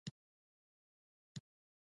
چین د غنمو په تولید کې مخکښ دی.